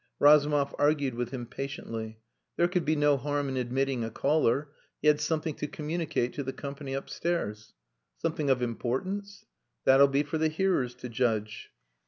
Razumov argued with him patiently. There could be no harm in admitting a caller. He had something to communicate to the company upstairs. "Something of importance?" "That'll be for the hearers to judge."